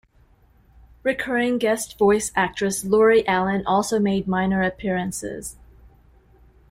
Recurring guest voice actress Lori Alan also made minor appearances.